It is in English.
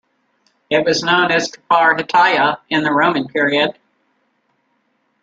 It was known as "Kfar Hittaya" in the Roman period.